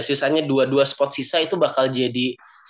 sisanya dua dua spot sisa itu bakal jadi